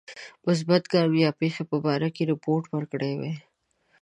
مثبت ګام یا پیښی په باره کې رپوت ورکړی وای.